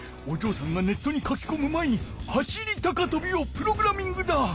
おじょうさんがネットに書きこむ前に走り高とびをプログラミングだ。